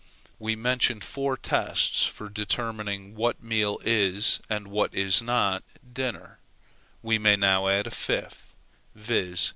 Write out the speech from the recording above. We mentioned four tests for determining what meal is, and what is not, dinner; we may now add a fifth, viz.